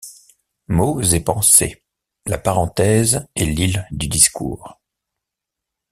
Mots et Pensées: La parenthèse est l’île du discours.